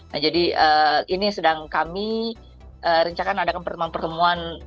nah jadi ini sedang kami rencanakan adakan pertemuan pertemuan